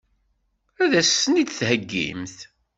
Ad as-ten-id-theggimt?